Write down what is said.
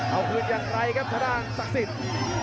เอาพื้นที่ยังในครับชาดกางศักดิ์สิทธิ์